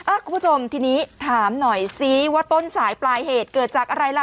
คุณผู้ชมทีนี้ถามหน่อยซิว่าต้นสายปลายเหตุเกิดจากอะไรล่ะ